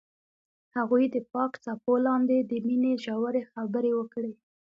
هغوی د پاک څپو لاندې د مینې ژورې خبرې وکړې.